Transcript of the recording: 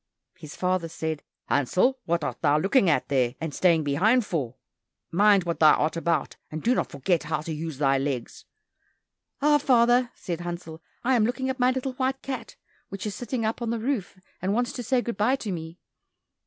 His father said, "Hansel, what art thou looking at there and staying behind for? Mind what thou art about, and do not forget how to use thy legs." "Ah, father," said Hansel, "I am looking at my little white cat, which is sitting up on the roof, and wants to say good bye to me."